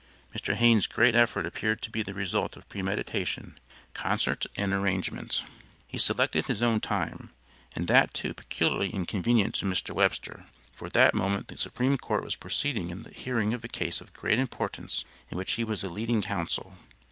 Mr. Hayne's great effort appeared to be the result of premeditation, concert, and arrangement. He selected his own time, and that, too, peculiarly inconvenient to Mr. Webster, for at that moment the Supreme Court was proceeding in the hearing of a case of great importance in which he was a leading counsel.